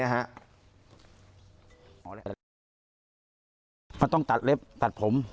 มันต้องตัดเล็บตัดผม